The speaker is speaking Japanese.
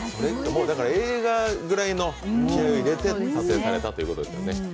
映画ぐらいの気合いを入れて撮影されたということですね。